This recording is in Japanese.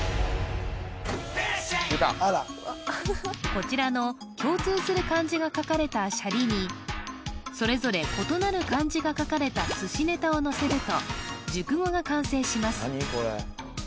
こちらの共通する漢字が書かれたシャリにそれぞれ異なる漢字が書かれた寿司ネタをのせると熟語が完成します